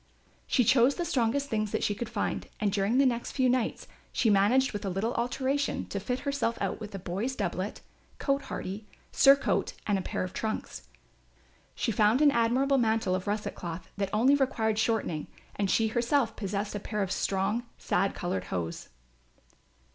She chose the strongest things that she could find and during the next few nights she managed with a little alteration to fit herself out with a boy's doublet, cote hardie, surcoat and a pair of trunks. She found an admirable mantle of russet cloth that only required shortening and she herself possessed a pair of strong sad coloured hose.